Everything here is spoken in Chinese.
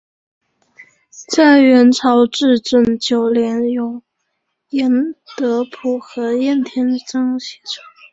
在元朝至正九年由严德甫和晏天章写成。